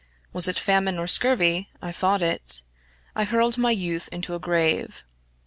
Was it famine or scurvy I fought it; I hurled my youth into a grave.